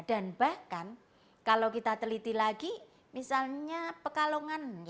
dan bahkan kalau kita teliti lagi misalnya pekalongan